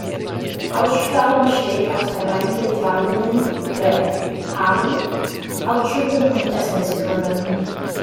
Hausstaub besteht aus hereingetragenem Dreck, Haaren, Hautschuppen und Essenskrümeln.